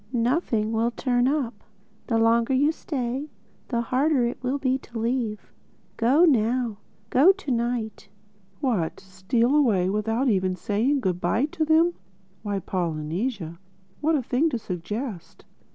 Nothing will 'turn up.' The longer you stay, the harder it will be to leave—Go now. Go to night." "What, steal away without even saying good bye to them! Why, Polynesia, what a thing to suggest!"